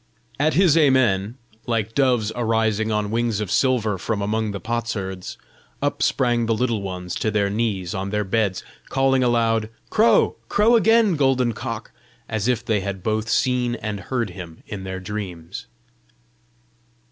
At his AMEN like doves arising on wings of silver from among the potsherds, up sprang the Little Ones to their knees on their beds, calling aloud, "Crow! crow again, golden cock!" as if they had both seen and heard him in their dreams.